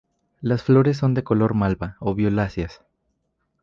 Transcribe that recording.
Las flores son de color malva o violáceas.